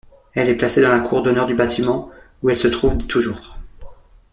Elle est placée dans la Cour d’Honneur du bâtiment où elle se trouve toujours.